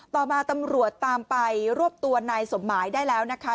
ต่อมาตำรวจตามไปรวบตัวนายสมหมายได้แล้วนะคะ